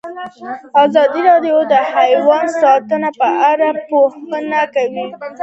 ازادي راډیو د حیوان ساتنه په اړه د پوهانو څېړنې تشریح کړې.